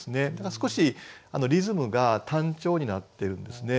少しリズムが単調になってるんですね。